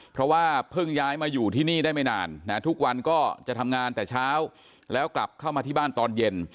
เพราะว่าเพิ่งย้ายมาอยู่ที่นี่ได้ไม่นานทุกวันก็จะทำงานแต่เช้าแล้วกลับเข้ามาที่บ้านตอนเย็น